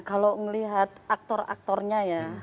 kalau melihat aktor aktornya ya